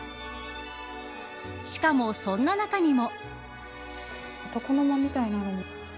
しかも、そんな中にも。